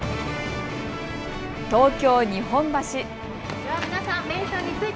東京日本橋。